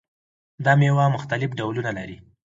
دا میوه مختلف ډولونه لري.